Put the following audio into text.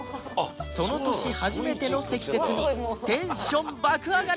その年初めての積雪にテンション爆上がり！